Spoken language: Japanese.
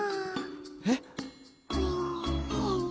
えっ？